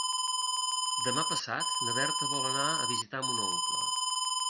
Demà passat na Berta vol anar a visitar mon oncle.